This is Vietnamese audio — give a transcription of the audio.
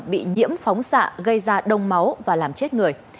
bị nhiễm phóng xạ gây ra đông máu và làm chết người